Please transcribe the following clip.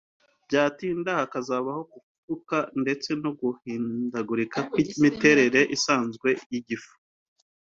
byatinda hakazaho gupfuka ndetse no guhindagurika kw’imiterere isanzwe y’igifu